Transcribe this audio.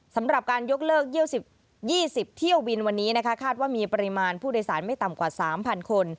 สำหรับการยกเลิก๒๐เที่ยวบินวันนี้นะคะคาดว่ามีปริมาณผู้โดยสารไม่ต่ำกว่า๓๐๐คน